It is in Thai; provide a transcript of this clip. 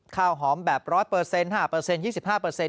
ข้าวหอมแบบร้อยเปอร์เซ็นต์ห้าเปอร์เซ็นต์ยี่สิบห้าเปอร์เซ็นต์